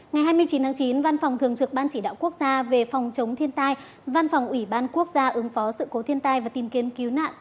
ngày hai mươi chín tháng chín văn phòng thường trực ban chỉ đạo quốc gia về phòng chống thiên tai văn phòng ủy ban quốc gia ứng phó sự cố thiên tai và tìm kiếm cứu nạn